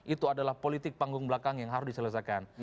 itu adalah politik panggung belakang yang harus diselesaikan